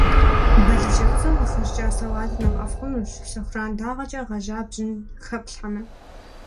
Балыджэ фӀыцӀэм къыхэщӀыкӀа салатыр нэхъ ӀэфӀ хъунущ, сэхуран дагъэкӀэ гъэжьа бжьын хэплъхьэмэ.